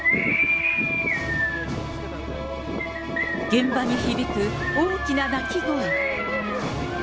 現場に響く大きな泣き声。